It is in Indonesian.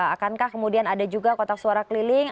akankah kemudian ada juga kotak suara keliling